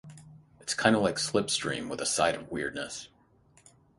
It's kind of like slipstream with a side of weirdness.